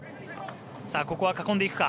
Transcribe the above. ここは囲んでいくか。